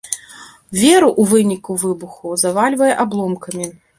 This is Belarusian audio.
Веру ў выніку выбуху завальвае абломкамі.